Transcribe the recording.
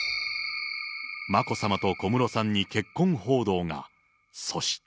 眞子さまと小室さんに結婚報道が。